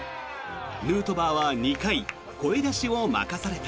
ヌートバーは２回、声出しを任された。